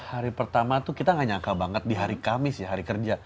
hari pertama tuh kita gak nyangka banget di hari kamis ya hari kerja